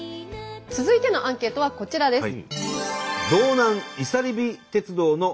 続いてのアンケートはこちらです。